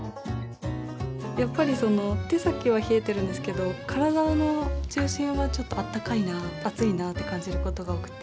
やっぱりその手先は冷えてるんですけど体の中心はちょっと温かいな暑いなって感じることが多くて。